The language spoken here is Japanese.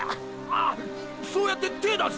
あーそうやって手ェ出す？